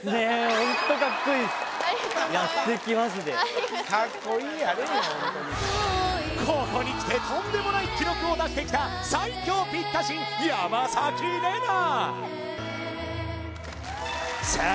ホントにここにきてとんでもない記録を出してきた最強ピッタ神・山玲奈さあ